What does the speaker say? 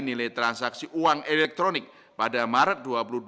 nilai transaksi uang elektronik pada maret dua ribu dua puluh